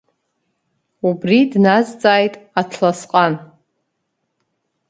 Убри дназҵааит Аҭласҟан.